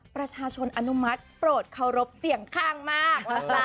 อนุมัติโปรดเคารพเสี่ยงข้างมาก